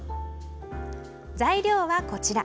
材料はこちら。